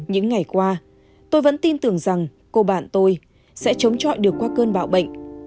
những ngày qua tôi vẫn tin tưởng rằng cô bạn tôi sẽ chống chọi được qua cơn bạo bệnh